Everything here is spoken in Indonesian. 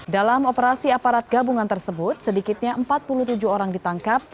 dalam operasi aparat gabungan tersebut sedikitnya empat puluh tujuh orang ditangkap